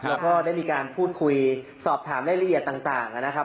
แล้วก็ได้มีการพูดคุยสอบถามรายละเอียดต่างนะครับ